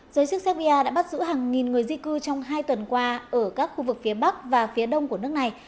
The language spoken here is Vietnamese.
giới chức serbia đã bắt giữ hàng nghìn người di cư trong hai tuần qua ở các khu vực phía bắc và phía đông của nước này